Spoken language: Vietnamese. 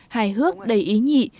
hài hước đầy ý nhị